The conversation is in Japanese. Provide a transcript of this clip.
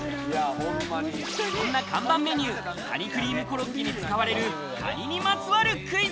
そんな看板メニュー、カニクリームコロッケに使われるカニにまつわるクイズ。